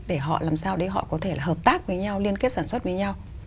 để họ làm sao để họ có thể là hợp tác với nhau liên kết sản xuất với nhau